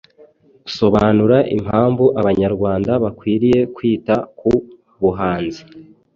Sobanura impamvu Abanyarwanda bakwiriye kwita ku buhanzi